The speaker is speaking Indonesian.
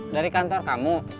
dari kantor kamu